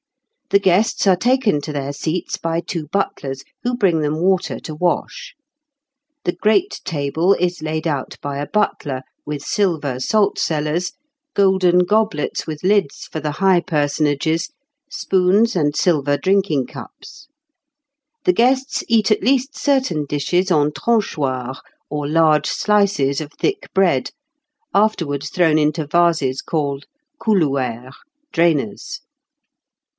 The guests are taken to their seats by two butlers, who bring them water to wash. The Great Table is laid out by a butler, with silver salt cellars (Figs. 126 and 127), golden goblets with lids for the high personages, spoons and silver drinking cups. The guests eat at least certain dishes on tranchoirs, or large slices of thick bread, afterwards thrown into vases called couloueres (drainers).